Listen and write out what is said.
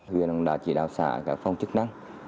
huyện đã chỉ đào xả các phong chức năng